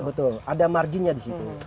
betul ada marginnya di situ